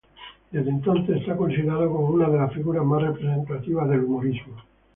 Desde entonces, es considerada como una de las figuras más representativas del humorismo.